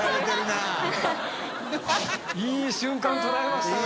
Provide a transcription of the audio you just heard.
いい瞬間捉えましたね。